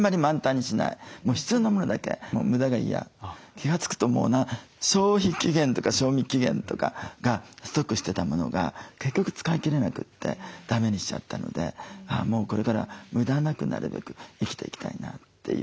気が付くと消費期限とか賞味期限とかがストックしてたものが結局使い切れなくてだめにしちゃったのでもうこれから無駄なくなるべく生きていきたいなっていう。